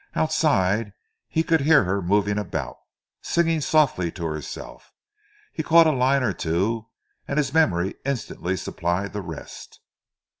Outside he could hear her moving about, singing softly to herself. He caught a line or two, and his memory instantly supplied the rest.